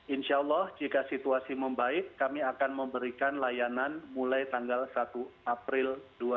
insya allah jika situasi membaik kami akan memberikan layanan mulai tanggal satu april dua ribu dua puluh